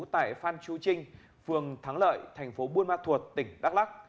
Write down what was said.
tại phan chu trinh phường thắng lợi tp buôn ma thuột tỉnh đắk lắc